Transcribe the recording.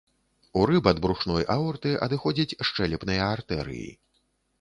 У рыб ад брушной аорты, адыходзяць шчэлепныя артэрыі.